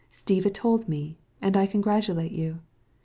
Stiva told me, and I congratulate you.